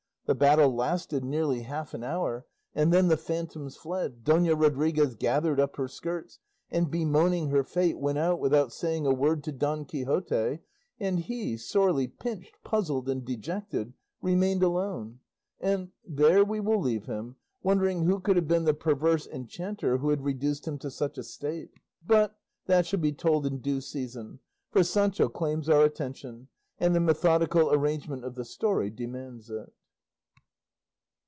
The battle lasted nearly half an hour, and then the phantoms fled; Dona Rodriguez gathered up her skirts, and bemoaning her fate went out without saying a word to Don Quixote, and he, sorely pinched, puzzled, and dejected, remained alone, and there we will leave him, wondering who could have been the perverse enchanter who had reduced him to such a state; but that shall be told in due season, for Sancho claims our attention, and the methodical arrangement of the story demands it.